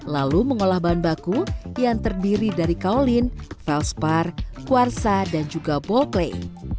lalu mengolah bahan baku yang terdiri dari kaolin felspar kuarsa dan juga bolklei